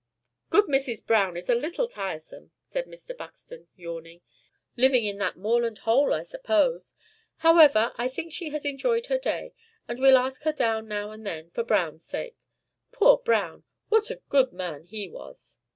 "Good Mrs. Browne is a little tiresome," said Mr. Buxton, yawning. "Living in that moorland hole, I suppose. However, I think she has enjoyed her day; and we'll ask her down now and then, for Browne's sake. Poor Browne! What a good man he was!"